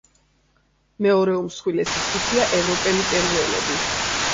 მეორე უმსხვილესი ჯგუფია ევროპელი პერუელები.